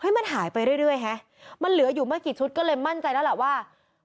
มันหายไปเรื่อยฮะมันเหลืออยู่ไม่กี่ชุดก็เลยมั่นใจแล้วล่ะว่า